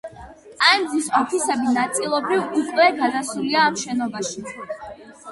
ტაიმზის ოფისები ნაწილობრივ უკვე გადასულია ამ შენობაში.